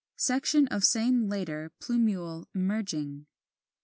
Section of same later, plumule emerging.